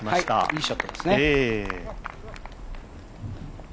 いいショットですね。